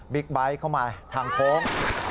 ไบท์เข้ามาทางโค้ง